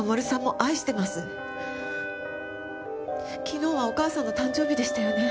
昨日はお義母さんの誕生日でしたよね？